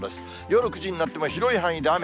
夜９時になっても、広い範囲で雨。